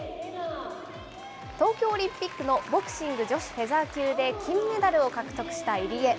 東京オリンピックのボクシング女子フェザー級で金メダルを獲得した入江。